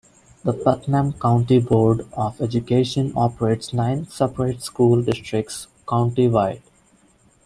The Putnam County Board of Education operates nine separate school districts county-wide.